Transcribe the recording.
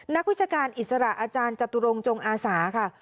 นักวิชาการอิสระอาจารย์จตุรงจงอาสาค่ะ